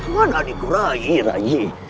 mana adikku rai rai rai